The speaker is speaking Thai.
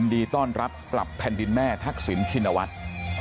ดีต้อนรับกลับแผ่นดินแม่ทักษิณชินวัฒน์